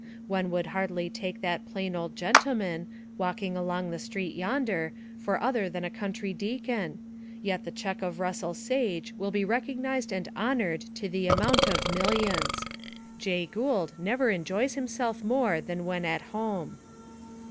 One would hardly take that plain old gentleman, walking along the street yonder, for other than a country deacon, yet the check of Russell Sage will be recognized and honored to the amount of millions. Jay Gould never enjoys himself more than when at home.